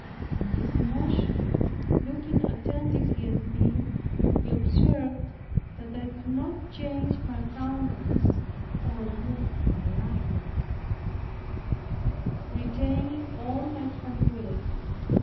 In his emotion looking attentively at me, he observed that I did not change my countenance, or move my eyebrows, retaining all my tranquillity.